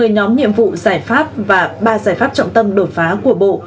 một mươi nhóm nhiệm vụ giải pháp và ba giải pháp trọng tâm đột phá của bộ